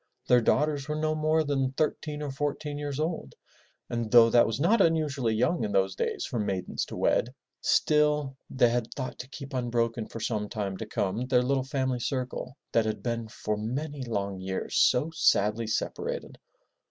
Their daughters were no more than thirteen or fourteen years old and though that was not unusually young in those days for maidens to wed, still they had thought to keep unbroken for some time to come their little family circle that had been for many long years so sadly separated.